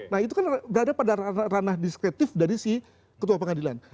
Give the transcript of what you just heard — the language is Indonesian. nah itu kan berada pada ranah diskretif dari si ketua pengadilan